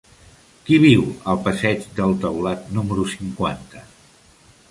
Qui viu al passeig del Taulat número cinquanta?